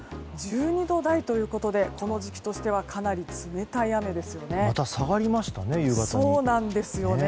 １２度台ということでこの時期としてはかなり冷たい雨ですよね。